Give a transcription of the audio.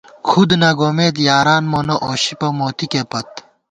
کھُد نہ گومېت یاران مونہ اوشِپہ موتِکے پت